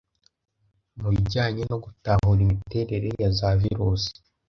mu bijyanye no gutahura imiterere ya za virusi